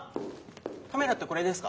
カメラってこれですか？